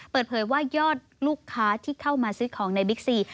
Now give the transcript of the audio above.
เปิดเผยว่ายอดลูกค้าที่เข้ามาซื้อของในบิ๊กซี